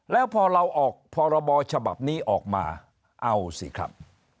แล้วพอเราออกพรบฉบับนี้ออกมาเอาสิครับ